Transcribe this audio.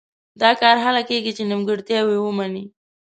دا کار هله کېږي چې نیمګړتیاوې ومني.